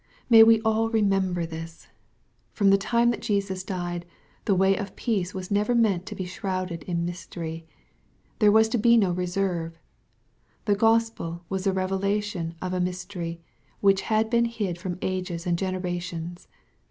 May we all remember this ! From the time that Jesus died, the way of peace was never meant to be shrouded in mystery. There was to be no reserve. The Gospel was the revelation of a mys tery, which had been hid from ages and generations.